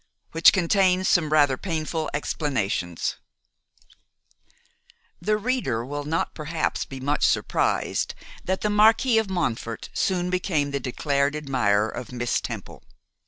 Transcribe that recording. Which Contains Some Rather Painful Explanations. THE reader will not perhaps be much surprised that the Marquis of Montfort soon became the declared admirer of Miss Temple.